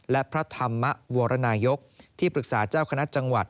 และพระธรรมวรนายกที่ปรึกษาเจ้าคณะจังหวัด